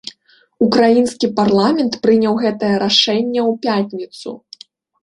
Украінскі парламент прыняў гэтае рашэнне ў пятніцу.